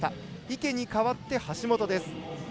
池に代わって橋本です。